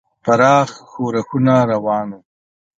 پراخ ښورښونه روان وو.